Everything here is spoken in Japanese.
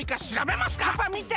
パパみて！